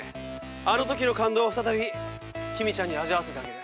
あの時の感動を再びキミちゃんに味わわせてあげる！